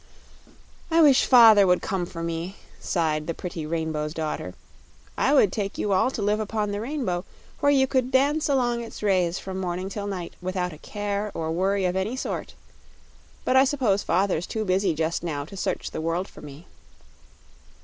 "I wish father would come for me," sighed the pretty Rainbow's Daughter, "I would take you all to live upon the rainbow, where you could dance along its rays from morning till night, without a care or worry of any sort. But I suppose father's too busy just now to search the world for me."